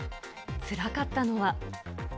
つらかったのは。